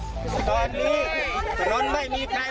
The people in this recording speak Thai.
ตอนนี้ถนนไม่มีใครมาดูแล